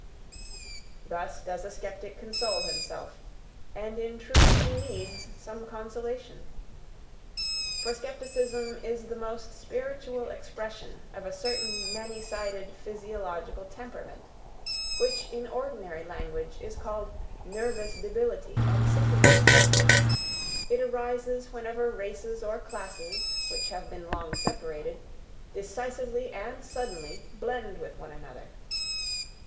Thus does a skeptic console himself; and in truth he needs some consolation. For skepticism is the most spiritual expression of a certain many sided physiological temperament, which in ordinary language is called nervous debility and sickliness; it arises whenever races or classes which have been long separated, decisively and suddenly blend with one another.